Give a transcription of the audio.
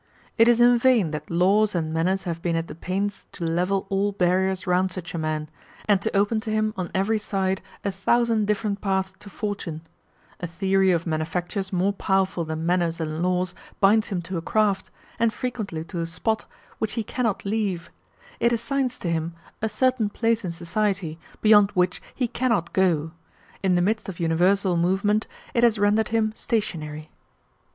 It is in vain that laws and manners have been at the pains to level all barriers round such a man, and to open to him on every side a thousand different paths to fortune; a theory of manufactures more powerful than manners and laws binds him to a craft, and frequently to a spot, which he cannot leave: it assigns to him a certain place in society, beyond which he cannot go: in the midst of universal movement it has rendered him stationary.